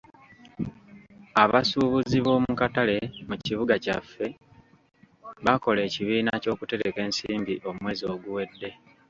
Abasuubuzi b'omu katale mu kibuga kyaffe baakola ekibiina ky'okutereka ensimbi omwezi oguwedde.